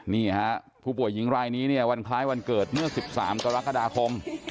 นี่ฮะผู้ป่วยหญิงรายนี้เนี่ยวันคล้ายวันเกิดเมื่อ๑๓กรกฎาคม